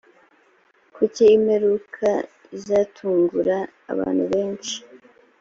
kuki imperuka izatungura abantu benshi